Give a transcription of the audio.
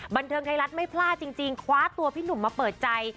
บันเทิงไทยรัฐไม่พลาดจริงคว้าตัวพี่หนุ่มมาเปิดใจ